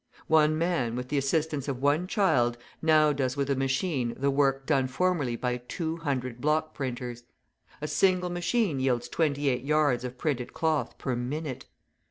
One man, with the assistance of one child, now does with a machine the work done formerly by 200 block printers; a single machine yields 28 yards of printed cloth per minute.